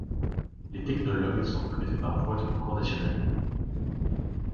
Les technologues sont recrutés par voie de concours national.